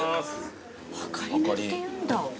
はかりめっていうんだ。